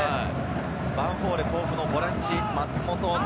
ヴァンフォーレ甲府のボランチ・松本凪